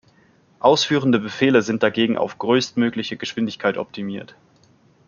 Ausführende Befehle sind dagegen auf größtmögliche Geschwindigkeit optimiert.